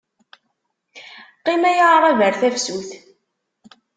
Qqim a yaɛṛab ar tefsut.